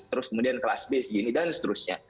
terus kemudian kelas b segini dan seterusnya